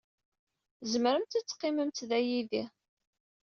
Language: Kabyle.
Tzemremt ad teqqimemt da yid-i.